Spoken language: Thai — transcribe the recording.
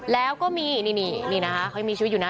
แล้วก็มีนี่นะคะเขายังมีชีวิตอยู่นะ